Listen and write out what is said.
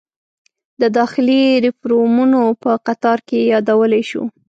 د داخلي ریفورومونو په قطار کې یادولی شو.